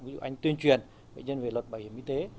ví dụ anh tuyên truyền về nhân viên luật bảo hiểm y tế